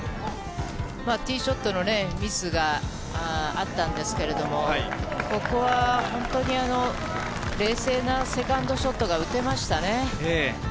ティーショットのミスがあったんですけれども、ここは本当に冷静なセカンドショットが打てましたね。